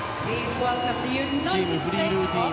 チームフリールーティン